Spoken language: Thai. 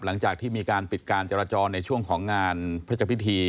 หลังจากที่มีการปิดการจราจรในช่วงของงานพระเจ้าพิธี